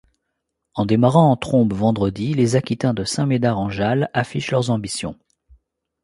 En démarrant en trombe vendredi, les Aquitains de Saint-Médard-en-Jalles affiche leurs ambitions.